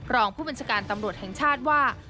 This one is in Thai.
รองผู้บัญชาการตำรวจแห่งชาติว่า